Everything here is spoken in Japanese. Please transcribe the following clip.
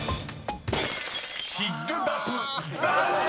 ［残念！］